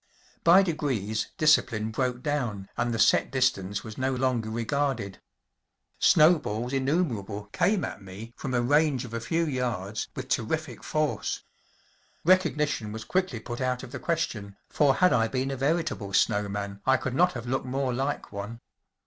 By degrees discipline broke down, and the set distance was no longer regarded. Snow¬ balls innumerable came at me from a range of a few yards with terrific force. Recognition was quickly put out of the question, for had I been a veritable snow man I could not have looked more like one.